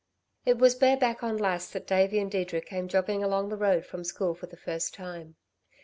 It was bareback on Lass, that Davey and Deirdre came jogging along the road from school for the first time.